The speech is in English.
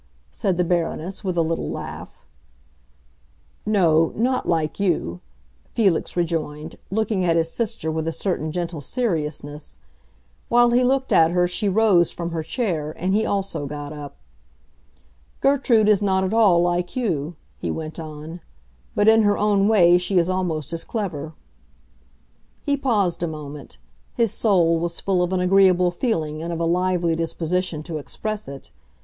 said the Baroness, with a little laugh. "No, not like you," Felix rejoined, looking at his sister with a certain gentle seriousness. While he looked at her she rose from her chair, and he also got up. "Gertrude is not at all like you," he went on; "but in her own way she is almost as clever." He paused a moment; his soul was full of an agreeable feeling and of a lively disposition to express it.